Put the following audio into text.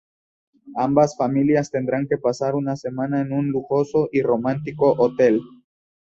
Ambas familias tendrán que pasar una semana en un lujoso y romántico hotel.